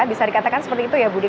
bisa dikatakan seperti itu ya budi